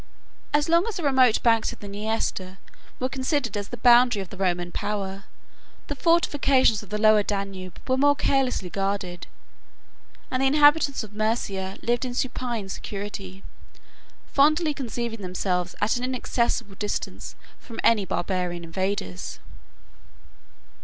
As long as the remote banks of the Niester were considered as the boundary of the Roman power, the fortifications of the Lower Danube were more carelessly guarded, and the inhabitants of Mæsia lived in supine security, fondly conceiving themselves at an inaccessible distance from any barbarian invaders.